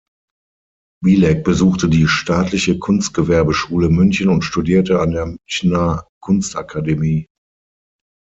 Bilek besuchte die Staatliche Kunstgewerbeschule München und studierte an der Münchener Kunstakademie.